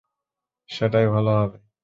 সেটাই ভালো হবে।